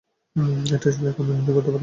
এটা আসলে এখনও নির্ণয় করতে পারিনি।